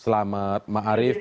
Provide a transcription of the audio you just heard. selamat malam pak